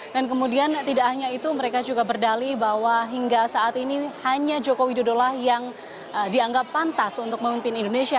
dan kemudian tidak hanya itu mereka juga berdali bahwa hingga saat ini hanya jokowi dodo lah yang dianggap pantas untuk memimpin indonesia